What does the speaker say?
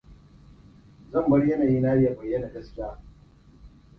Zan bar yanayi na ya bayyana gaskiya.